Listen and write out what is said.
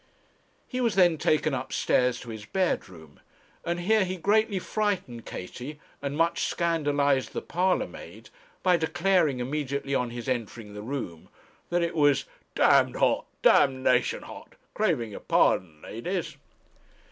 He was then taken upstairs to his bedroom, and here he greatly frightened Katie, and much scandalized the parlour maid by declaring, immediately on his entering the room, that it was 'd hot, d ation hot; craving your pardon, ladies!'